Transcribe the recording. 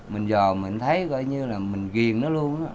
mình giờ mình thấy gọi như là mình ghiền nó luôn đó